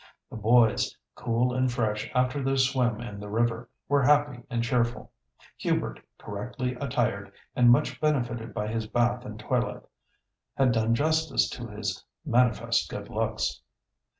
The boys, cool and fresh after their swim in the river, were happy and cheerful. Hubert, correctly attired, and much benefited by his bath and toilette, had done justice to his manifest good looks.